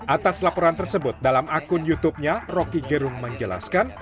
atas laporan tersebut dalam akun youtubenya roky gerung menjelaskan